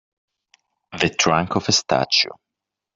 The trunk of a statue.